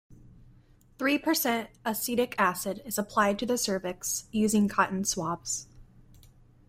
Three percent acetic acid is applied to the cervix using cotton swabs.